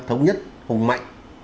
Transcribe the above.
thống nhất hùng mạnh